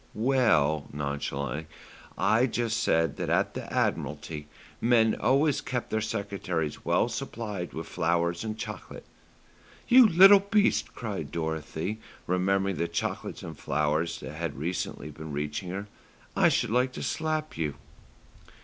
"Well," nonchalantly, "I just said that at the Admiralty men always kept their secretaries well supplied with flowers and chocolates." "You little beast!" cried Dorothy, remembering the chocolates and flowers that had recently been reaching her. "I should like to slap you."